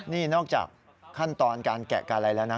นี่นอกจากขั้นตอนการแกะการอะไรแล้วนะ